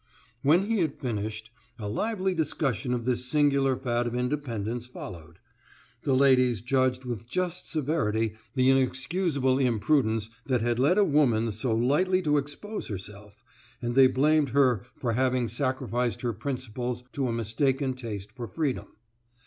When he had finished, a lively discussion of this singular fad of independence followed. The ladies judged with just severity the inexcusable imprudence that had led a woman so lightly to expose herself, and they blamed her for having sacrificed her principles to a mistaken taste for freedom.